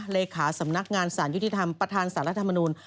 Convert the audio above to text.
เลขาสำนักงานสารยุติธรรมประธานสารรัฐมนูล